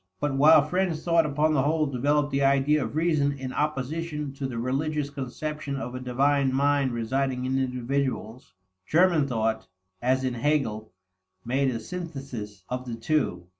But while French thought upon the whole developed the idea of reason in opposition to the religious conception of a divine mind residing in individuals, German thought (as in Hegel) made a synthesis of the two.